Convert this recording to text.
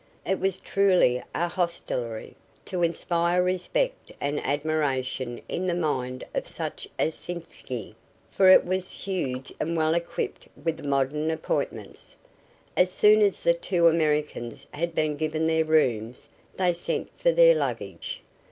It was truly a hostelry to inspire respect and admiration in the mind of such as Sitzky, for it was huge and well equipped with the modern appointments. As soon as the two Americans had been given their rooms, they sent for their luggage.